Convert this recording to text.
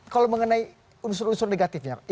kalau mengenai unsur unsur negatifnya